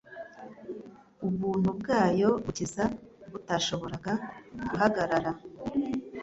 ubuntu bwayo bukiza butashoboraga-guhagarara